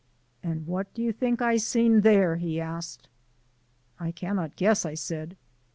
"And what do you think I seen there?" he asked. "I cannot guess," I said.